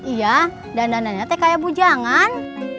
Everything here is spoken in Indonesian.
iya dananya kekaya bujangan